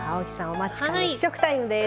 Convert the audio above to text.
お待ちかね試食タイムです。